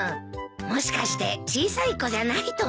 もしかして小さい子じゃないと思ってるのかな？